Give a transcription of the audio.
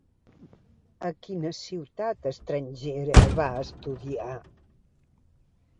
A quina ciutat estrangera va estudiar?